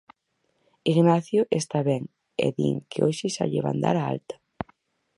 Ignacio está ben e din que hoxe xa lle van dar a alta.